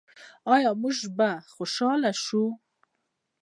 آیا موږ به خوشحاله شو؟